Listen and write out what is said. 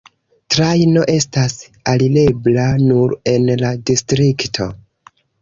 Trajno estas alirebla nur en la distrikto.